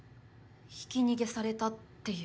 ひき逃げされたっていう？